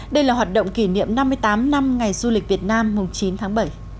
đây là hoạt động kỷ niệm năm mươi tám năm ngày du lịch việt nam chín tháng bảy